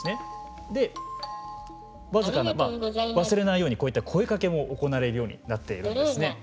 忘れないようにこういった声かけも行われるようになっているんですね。